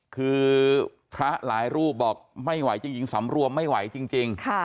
คือพระหลายรูปบอกไม่ไหวจริงหญิงสำรวมไม่ไหวจริง